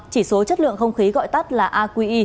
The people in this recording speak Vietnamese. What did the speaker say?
chỉ số chất lượng không khí gọi tắt là aqi